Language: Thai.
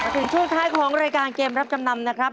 ถึงช่วงท้ายของรายการเกมรับจำนำนะครับ